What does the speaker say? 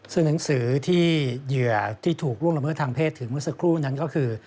ซึ่งหนังสือที่เหยื่อที่ถูกล่วงละเมิดทางเพศถึงเมื่อสักครู่นั้นก็คือ